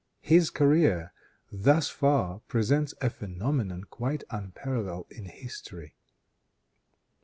His career thus far presents a phenomenon quite unparalleled in history.